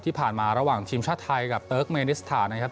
ที่ผ่านมาระหว่างทีมชาติไทยกับเติร์กเมนิสถานนะครับ